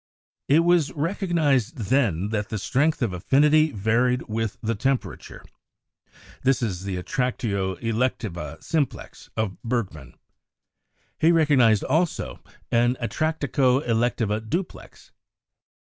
It was recognised then that the strength of affinity varied with the temperature. This is the "attractio elec tiva simplex" of Bergman. He recognised also an "at 140 CHEMISTRY tractio electiva duplex."